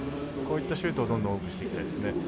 こういったシュートをどんどん多くしたいですね。